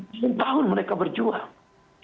semua tahun mereka berjuang